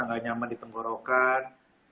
nggak nyaman di tenggorokan